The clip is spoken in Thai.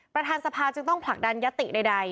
ประธานสภาจึงต้องผลักดันยติใด